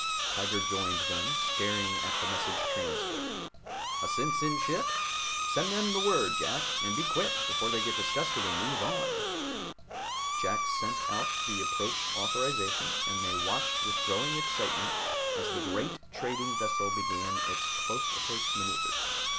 Tiger joined them, staring at the message transcript. "A SinSin ship! Send them the word, Jack, and be quick, before they get disgusted and move on." Jack sent out the approach authorization, and they watched with growing excitement as the great trading vessel began its close approach maneuvers.